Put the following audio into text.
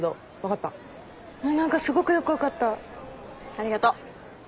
ありがとう。